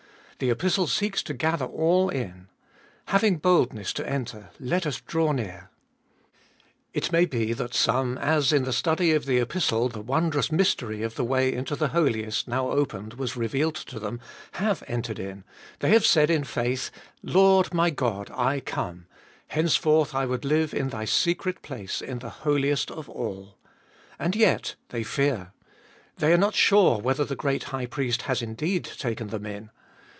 The Epistle seeks to gather all in. Having boldness to enter, let us draw near ! It may be that some, as in the study of the Epistle the wondrous mystery of the way into the Holiest now opened was revealed to them, have entered in ; they have said, in faith : Lord, my God ; I come. Henceforth I would live in Thy secret place, in the Holiest of All. And yet they fear. They are not sure whether the great High Priest has indeed taken them in.